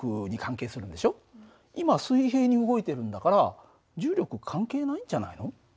今水平に動いてるんだから重力関係ないんじゃないの？